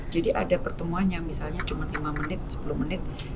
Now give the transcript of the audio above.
jadi ada pertemuan yang misalnya cuma lima menit sepuluh menit